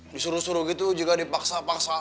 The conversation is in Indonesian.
disuruh suruh gitu juga dipaksa paksa